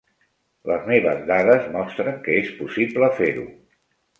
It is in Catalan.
Les meves dades mostren que és possible fer-ho.